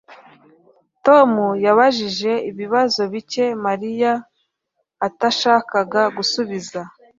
Tom yabajije ibibazo bike Mariya atashakaga gusubiza